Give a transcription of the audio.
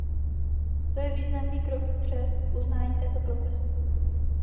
To je významný krok vpřed v uznání této profese.